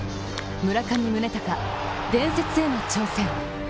村上宗隆、伝説への挑戦。